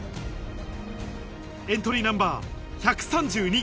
エントリーナンバー１３２。